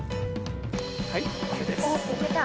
はいＯＫです。